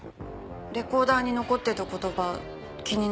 レコーダーに残ってた言葉気になってて。